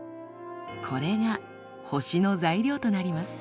これが星の材料となります。